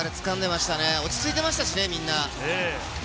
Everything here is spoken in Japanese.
落ち着いていましたね、みんな。